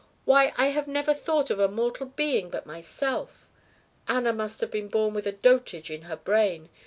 Why, I have never thought of a mortal being but myself! Anna must have been born with dotage in her brain.